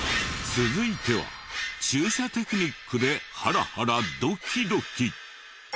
続いては駐車テクニックでハラハラドキドキ。